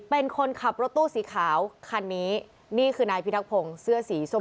เป็นคนขับรถตู้สีขาวคันนี้นี่คือนายพิทักพงศ์เสื้อสีส้ม